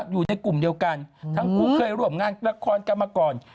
อยู่ในกลุ่มเดียวกันทั้งคู่เคยร่วมงานละครกันมาก่อน